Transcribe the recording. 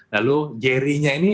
lalu jerry nya ini